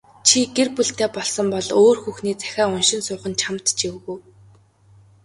Чи гэр бүлтэй болсон бол өөр хүүхний захиа уншин суух нь чамд ч эвгүй.